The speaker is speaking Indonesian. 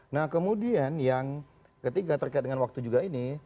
nah kemudian yang ketiga terkait dengan waktu juga ini